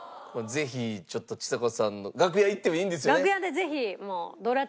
ぜひちょっとちさ子さんの楽屋へ行ってもいいんですよね？